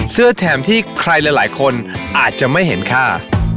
แทนที่ใครหลายคนอาจจะไม่เห็นค่า